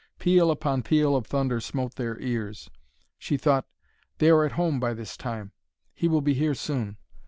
Peal upon peal of thunder smote their ears. She thought, "They are at home by this time; he will be here soon."